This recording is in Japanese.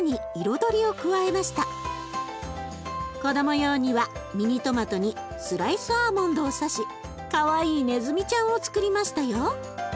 子ども用にはミニトマトにスライスアーモンドを刺しかわいいネズミちゃんをつくりましたよ。